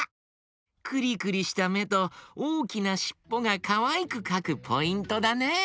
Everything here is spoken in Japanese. クリクリしためとおおきなしっぽがかわいくかくポイントだね。